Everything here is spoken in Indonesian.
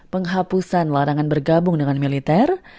penghapusan larangan bergabung dengan militer